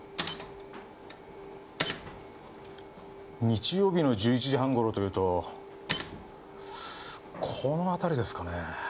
日曜日の１１時半頃というとこのあたりですかね。